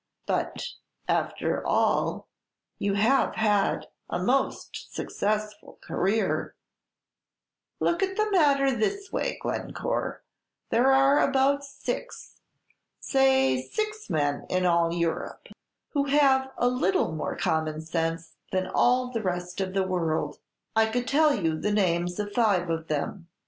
"But, after all, you have had a most successful career " "Look at the matter this way, Glencore; there are about six say six men in all Europe who have a little more common sense than all the rest of the world: I could tell you the names of five of them."